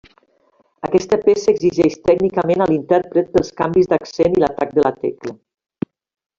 Aquesta peça exigeix tècnicament a l'intèrpret pels canvis d'accent i l'atac de la tecla.